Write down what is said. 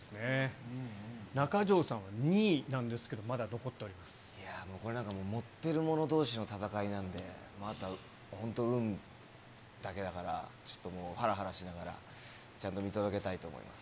中条さんは２位なんですが、いやもう、これなんか、もってる者どうしの戦いなんで、まだ、本当、運だけだから、ちょっともう、はらはらしながらちゃんと見届けたいと思います。